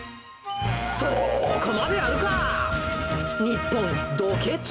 そこまでやるか！？